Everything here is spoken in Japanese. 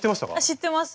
知ってます。